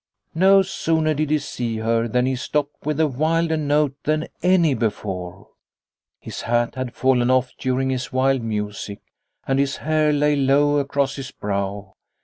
No sooner did he see her The Home 259 than he stopped with a wilder note than any before. His hat had fallen off during his wild music, and his hair lay low across his brow.